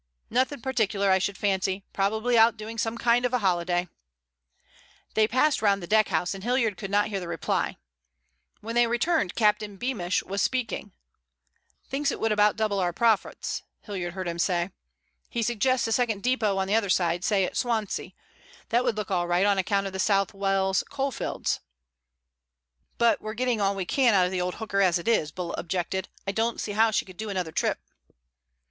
"Nothing particular, I should fancy. Probably out doing some kind of a holiday." They passed round the deckhouse and Hilliard could not hear the reply. When they returned Captain Beamish was speaking. "—thinks it would about double our profits," Hilliard heard him say. "He suggests a second depot on the other side, say at Swansea. That would look all right on account of the South Wales coalfields." "But we're getting all we can out of the old hooker as it is," Bulla objected. "I don't see how she could do another trip."